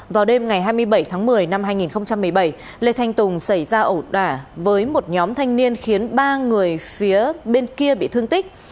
vào đêm ngày hai mươi bảy tháng một mươi năm hai nghìn một mươi bảy lê thanh tùng xảy ra ẩu đả với một nhóm thanh niên khiến ba người phía bên kia bị thương tích